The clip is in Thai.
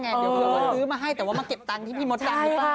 เดี๋ยวมันจะซื้อมาให้อยากมาเก็บที่พี่ม็อตดำ